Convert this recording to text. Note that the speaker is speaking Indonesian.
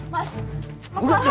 mas mas farhan